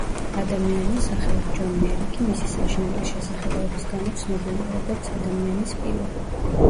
ადამიანი, სახელად ჯონ მერიკი მისი საშინელი შესახედაობის გამო ცნობილია, როგორც ადამიანი-სპილო.